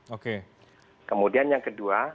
oke kemudian yang kedua